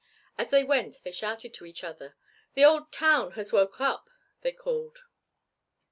As they went they shouted to each other. "The old town has woke up," they called.